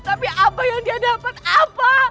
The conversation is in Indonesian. tapi apa yang dia dapat apa